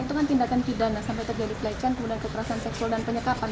itu kan tindakan pidana sampai terjadi pelecehan kemudian kekerasan seksual dan penyekapan